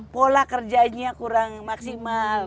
pola kerjanya kurang maksimal